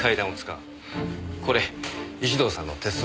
これ石堂さんの鉄則。